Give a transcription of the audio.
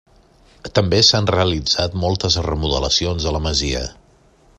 També s'han realitzat moltes remodelacions a la masia.